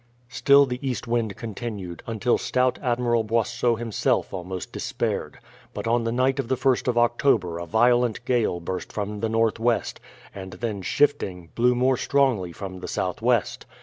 Still the east wind continued, until stout admiral Boisot himself almost despaired. But on the night of the 1st of October a violent gale burst from the northwest, and then shifting, blew more strongly from the southwest.